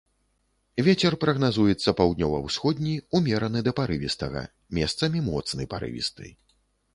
Вецер прагназуецца паўднёва-ўсходні ўмераны да парывістага, месцамі моцны парывісты.